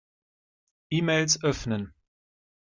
E-Mails öffnen.